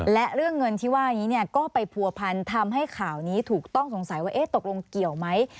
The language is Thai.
และเรื่องเงินที่ว่านี้ก็ไปผัวพันทำให้ข่าวนี้ถูกต้องสงสัยว่าตกลงเกี่ยวไหม